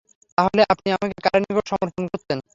তাহলে আপনি আমাকে কার নিকট সমর্পণ করছেন?